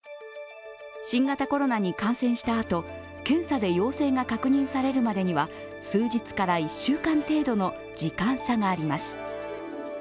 新型コロナに感染したあと、検査で陽性が確認されるまでは数日から１週間程度の時間差があります。